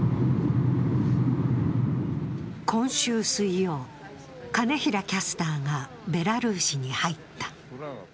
今週水曜、金平キャスターがベラルーシに入った。